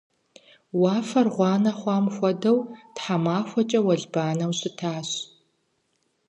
Уафэр гъуанэ хъуам хуэдэу тхьэмахуэкӏэ уэлбанэу щытащ.